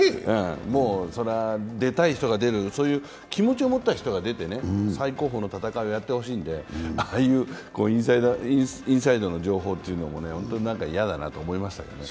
もう、それは出たい人が出る気持ちを持った人が出て最高峰の戦いをやってほしいのでああいうインサイドの情報というのも本当に嫌だなと思いましたけどね。